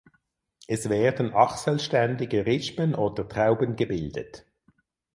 Es werden achselständige Rispen oder Trauben gebildet.